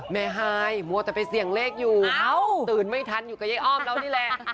ฮายมัวแต่ไปเสี่ยงเลขอยู่ตื่นไม่ทันอยู่กับยายอ้อมแล้วนี่แหละ